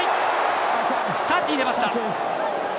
タッチに出ました！